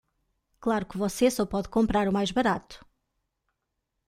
Claro que você só pode comprar o mais barato